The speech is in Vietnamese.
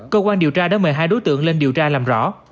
cơ quan điều tra đã mời hai đối tượng lên điều tra làm rõ